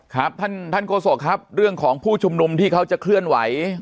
ครับท่านท่านโฆษกครับเรื่องของผู้ชุมนุมที่เขาจะเคลื่อนไหว